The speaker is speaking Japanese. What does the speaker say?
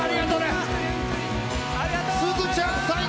すずちゃん、最高！